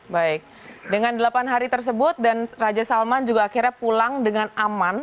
baik dengan delapan hari tersebut dan raja salman juga akhirnya pulang dengan aman